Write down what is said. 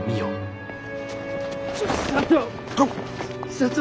社長！